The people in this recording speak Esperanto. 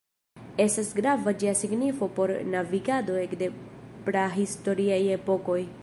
Estas grava ĝia signifo por navigado ekde prahistoriaj epokoj.